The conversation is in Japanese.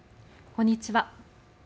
こんにちは。